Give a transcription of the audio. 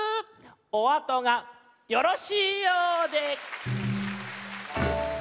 おあとがよろしいようで。